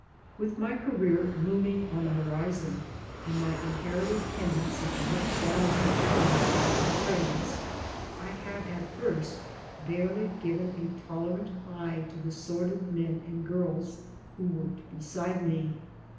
With my career looming on the horizon, and my inherited tendency to look down upon mechanical trades, I had at first barely given a tolerant eye to the sordid men and girls who worked beside me.